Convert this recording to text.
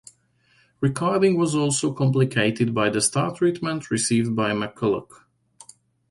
Recording was also complicated by the star treatment received by McCulloch.